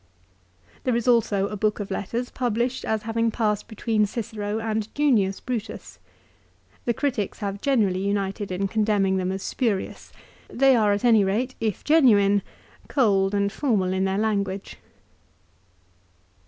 There is also a book of letters published as having passed between Cicero and Junius Brutus. The critics have generally united in condemning them as spurious. They are at any rate, if genuine, cold and formal in their language.